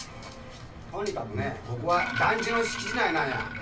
とにかくねぇここは団地の敷地内なんや。